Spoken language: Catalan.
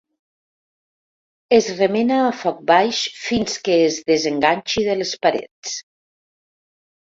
Es remena a foc baix fins que es desenganxi de les parets.